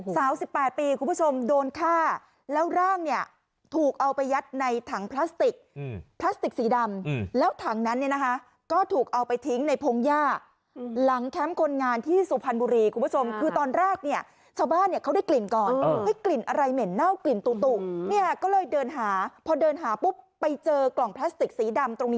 สาว๑๘ปีคุณผู้ชมโดนฆ่าแล้วร่างเนี่ยถูกเอาไปยัดในถังพลาสติกพลาสติกสีดำแล้วถังนั้นเนี่ยนะคะก็ถูกเอาไปทิ้งในพงหญ้าหลังแคมป์คนงานที่สุพรรณบุรีคุณผู้ชมคือตอนแรกเนี่ยชาวบ้านเนี่ยเขาได้กลิ่นก่อนให้กลิ่นอะไรเหม็นเน่ากลิ่นตุเนี่ยก็เลยเดินหาพอเดินหาปุ๊บไปเจอกล่องพลาสติกสีดำตรงนี้